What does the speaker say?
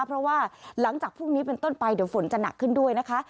เพราะว่าหลังจากพรุ่งนี้เป็นต้นไปเดี๋ยวฝนจะหนักขึ้นด้วยนะคะ